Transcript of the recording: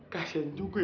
kasian juga ya